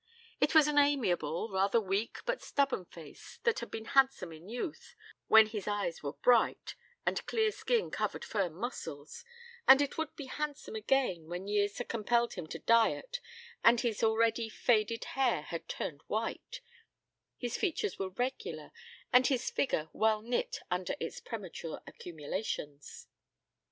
It was an amiable, rather weak but stubborn face that had been handsome in youth when his eyes were bright and clear skin covered firm muscles, and it would be handsome again when years had compelled him to diet and his already faded hair had turned white; his features were regular and his figure well knit under its premature accumulations.